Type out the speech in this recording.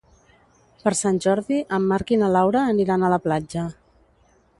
Per Sant Jordi en Marc i na Laura aniran a la platja.